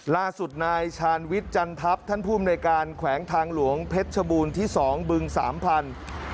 ล่าสุดนายชาญวิทย์จันทัพท่านภูมิในการแขวงทางหลวงเพชรชบูรณ์ที่๒บึงสามพันธุ์